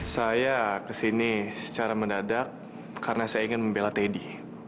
saya kesini secara mendadak karena saya ingin membela teddy